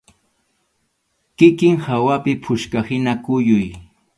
Kikin hawapi puchkahina kuyuy.